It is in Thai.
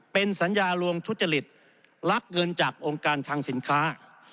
เป็นสัญญาลวงทุจริตรับเงินจากองค์การทางสินค้า